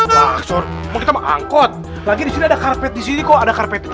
waksor mau kita mengangkut lagi disini ada karpet disini kok ada karpet itu